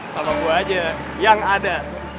sama gue aja yang ada